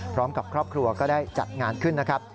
พร้อมกับครอบครัวก็ได้จัดงานขึ้นนะครับ